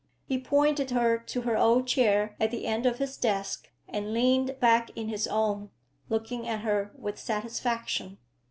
He pointed her to her old chair at the end of his desk and leaned back in his own, looking at her with satisfaction.